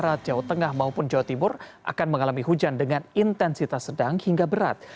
jawa barat jawa tengah maupun jawa timur akan mengalami hujan dengan intensitas sedang hingga berat